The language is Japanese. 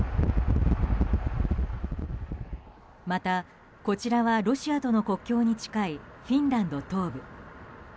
また、こちらはロシアとの国境に近いフィンランド東部。